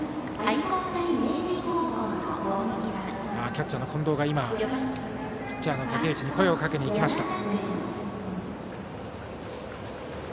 キャッチャーの近藤が今ピッチャー武内に声をかけました。